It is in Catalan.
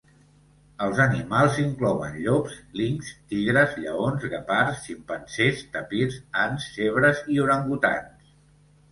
Els animals inclouen llops, linxs, tigres, lleons, guepards, ximpanzés, tapirs, ants, zebres, i orangutans.